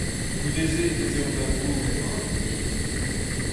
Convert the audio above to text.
Goude-se ez eomp da bourmen war an inizi.